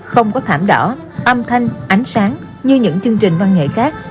không có thảm đỏ âm thanh ánh sáng như những chương trình văn nghệ khác